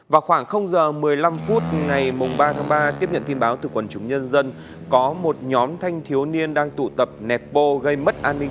vào khoảng h một mươi năm phút ngày mùng